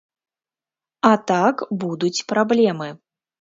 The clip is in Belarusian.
А так будуць праблемы.